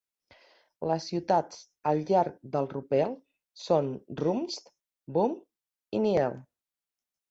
Les ciutats al llarg del Rupel són Rumst, Boom i Niel.